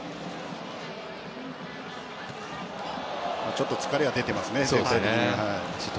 ちょっと疲れは出てますね。